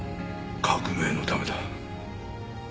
革命のためだ。